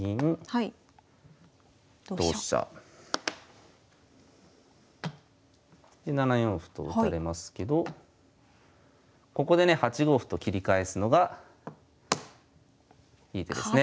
同飛車。で７四歩と打たれますけどここでね８五歩と切り返すのがいい手ですね。